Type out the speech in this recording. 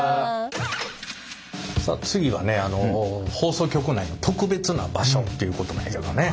次はね放送局内の特別な場所ということなんやけどね。